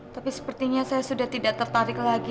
tapi sepertinya saya sudah tidak tertarik lagi